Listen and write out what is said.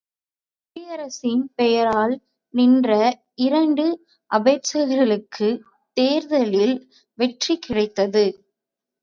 குடியரசின் பெயரால் நின்ற இாண்டு அபேட்சகர்களுக்குத் தேர்தலில் வெற்றி கிடைத்தது.